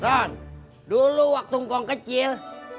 ron dulu waktu ngkong kecil